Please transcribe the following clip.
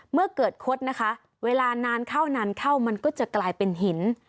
เมื่อเกิดคดนะคะเวลานานเข้านานเข้ามันก็จะกลายเป็นหิน